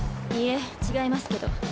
いえ違いますけど。